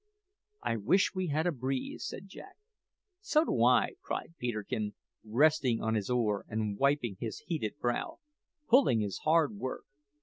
"I wish we had a breeze," said Jack. "So do I," cried Peterkin, resting on his oar and wiping his heated brow; "pulling is hard work.